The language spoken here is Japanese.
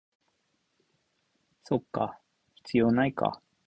そっか、必要ないか